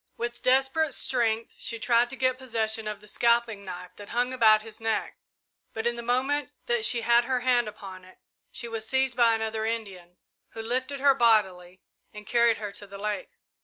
With desperate strength she tried to get possession of the scalping knife that hung about his neck, but in the moment that she had her hand upon it she was seized by another Indian, who lifted her bodily and carried her to the lake.